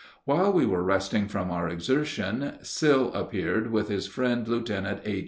While we were resting from our exertion, Sill appeared with his friend Lieutenant A.